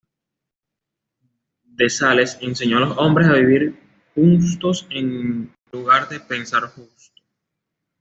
De Sales enseñó a los hombres a vivir justos en lugar de pensar justo.